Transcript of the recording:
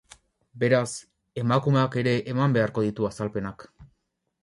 Beraz, emakumeak ere eman beharko ditu azalpenak.